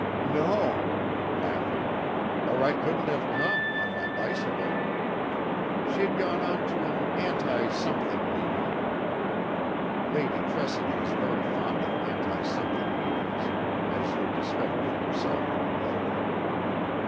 "No" laughing "or I couldn't have come on my bicycle. She'd gone to an anti something meeting (Lady Tressidy is very fond of anti something meetings, as you'll discover for yourself when you know her).